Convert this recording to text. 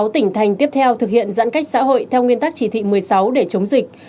sáu tỉnh thành tiếp theo thực hiện giãn cách xã hội theo nguyên tắc chỉ thị một mươi sáu để chống dịch